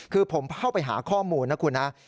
คือผมเข้าไปหาข้อมูลนะคุณนะ